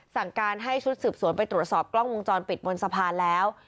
สั่งการให้ชุดสืบสวนไปตรวจสอบกล้องวงจรปิดบนสะพานแล้ว